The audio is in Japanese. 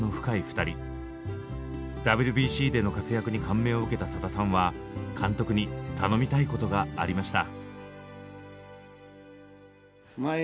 ＷＢＣでの活躍に感銘を受けたさださんは監督に頼みたいことがありました。